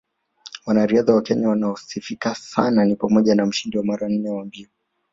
Wanariadha wa Kenya wanaosifika sana ni pamoja na mshindi mara nne wa mbio